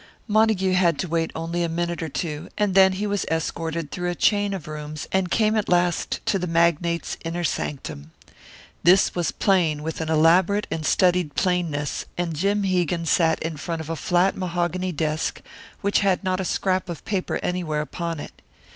Montague had to wait only a minute or two, and then he was escorted through a chain of rooms, and came at last to the magnate's inner sanctum. This was plain, with an elaborate and studied plainness, and Jim Hegan sat in front of a flat mahogany desk which had not a scrap of paper anywhere upon it.